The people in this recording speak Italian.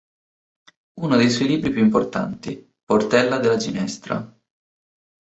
Uno dei suoi libri più importanti, "Portella della Ginestra.